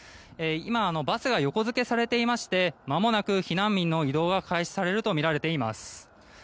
今、バスが横付けされていましてまもなく避難民の移動が開始されるとみられています。